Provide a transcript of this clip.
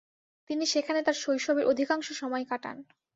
তিনি সেখানে তার শৈশবের অধিকাংশ সময় কাটান।